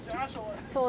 そう。